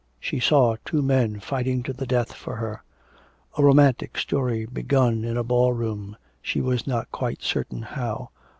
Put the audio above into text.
She saw two men fighting to the death for her. A romantic story begun in a ball room, she was not quite certain how.